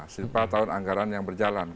simpa tahun anggaran yang berjalan